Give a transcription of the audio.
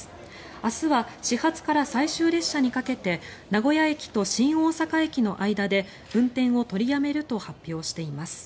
明日は始発から最終列車にかけて名古屋駅と新大阪駅の間で運転を取りやめると発表しています。